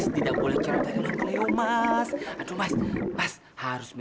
gak boleh ikutin emosi